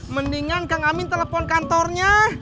mendingan kang amin telepon kantornya